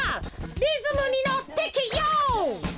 「リズムにのってけヨー！」